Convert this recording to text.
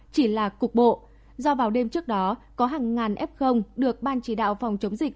chỉ là cục bộ do vào đêm trước đó có hàng ngàn f được ban chỉ đạo phòng chống dịch